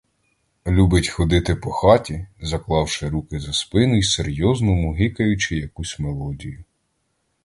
Любить ходити по хаті, заклавши руки за спину й серйозно мугикаючи якусь мелодію.